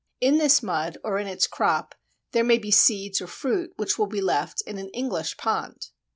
In this mud, or in its crop, there may be seeds or fruits which will be left in an English pond.